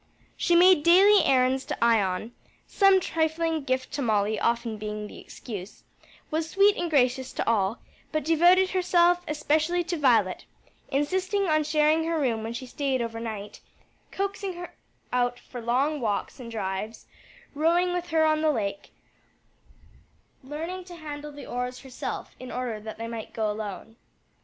She made daily errands to Ion, some trifling gift to Molly often being the excuse, was sweet and gracious to all, but devoted herself especially to Violet, insisting on sharing her room when she staid over night, coaxing her out for long walks and drives, rowing with her on the lake, learning to handle the oars herself in order that they might go alone.